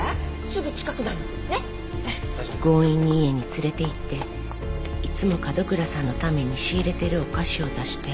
強引に家に連れていっていつも角倉さんのために仕入れてるお菓子を出して。